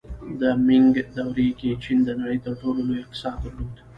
د مینګ دورې کې چین د نړۍ تر ټولو لوی اقتصاد درلود.